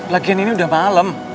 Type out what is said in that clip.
lagian ini udah malam